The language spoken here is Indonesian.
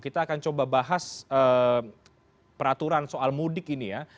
kita akan coba bahas peraturan soal mudik ini ya